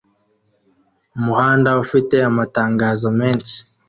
Umuhanda ufite amatangazo menshi